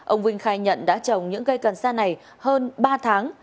ông vinh khai nhận đã trồng những cây cần sa này hơn ba tháng